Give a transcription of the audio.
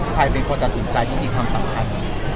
ใครเป็นคนตัดสินใจที่มีความสำคัญ